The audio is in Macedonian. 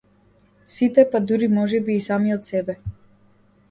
Сите па дури можеби и самиот себе.